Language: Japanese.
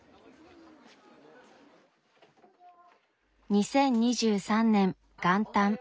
２０２３年元旦。